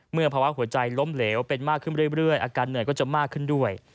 ภาวะหัวใจล้มเหลวเป็นมากขึ้นเรื่อยอาการเหนื่อยก็จะมากขึ้นด้วย